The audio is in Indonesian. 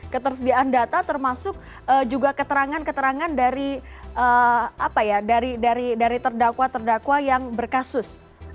ketersediaan data termasuk juga keterangan keterangan dari apa ya dari terdakwa terdakwa yang berkasus